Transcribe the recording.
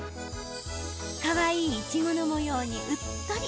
かわいいいちごの模様にうっとり。